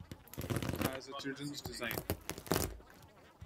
It has a children's design.